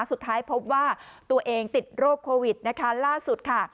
สุดท้ายพบว่าตัวเองติดโรคโควิดนะคะล่าสุดค่ะ